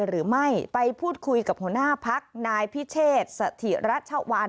หรือไม่ไปพูดคุยกับหัวหน้าพักนายพิเชษสถิรัชวัล